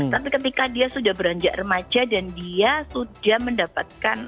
tapi ketika dia sudah beranjak remaja dan dia sudah mendapatkan